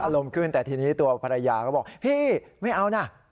ลงขึ้นแต่ทีนี้ตัวภรรยาก็บอกพี่ไม่เอานะ